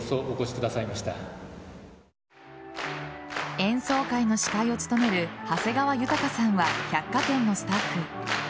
演奏会の司会を務める長谷川裕さんは百貨店のスタッフ。